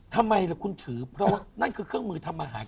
ทำไมล่ะคุณถือเพราะว่านั่นคือเครื่องมือทำอาหาร